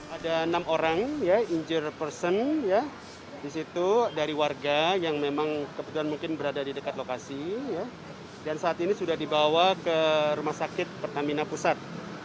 ada enam orang injured person dari warga yang kebetulan berada di dekat lokasi dan saat ini sudah dibawa ke rumah sakit pertamina pusat